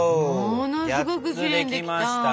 ものすごくきれいにできた。